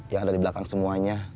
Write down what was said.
yang ada dibelakang semuanya